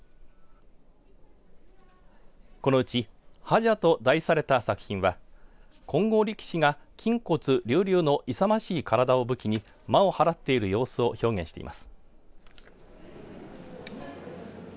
このうち破邪と題された作品は金剛力士が、筋骨隆々の勇ましい体を武器に魔をはらっている様子を表現しています。